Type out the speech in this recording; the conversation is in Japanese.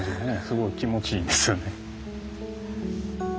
すごい気持ちいいんですよね。